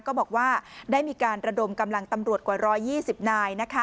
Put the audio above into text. ก็บอกว่าได้มีการระดมกำลังตำรวจกว่า๑๒๐นาย